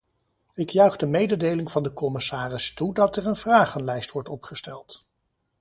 Ik juich de mededeling van de commissaris toe dat er een vragenlijst wordt opgesteld.